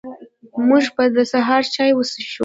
موږ به د سهار چاي وڅښو